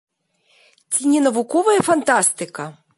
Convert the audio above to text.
Ці не навуковая фантастыка?